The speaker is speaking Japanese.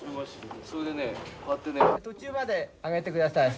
途中まで上げてください。